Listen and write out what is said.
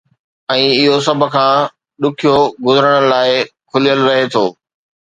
۽ اهو سڀ کان ڏکيو گذرڻ لاءِ کليل رهي ٿو.